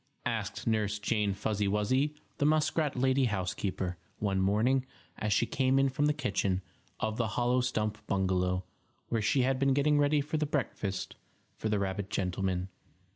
asked Nurse Jane Fuzzy Wuzzy, the muskrat lady housekeeper, one morning, as she came in from the kitchen of the hollow stump bungalow, where she had been getting ready the breakfast for the rabbit gentleman.